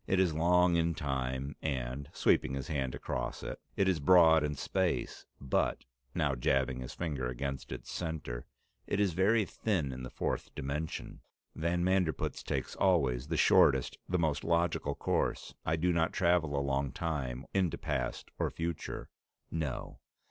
"It is long in time, and" sweeping his hand across it "it is broad in space, but" now jabbing his finger against its center "it is very thin in the fourth dimension. Van Manderpootz takes always the shortest, the most logical course. I do not travel along time, into past or future. No.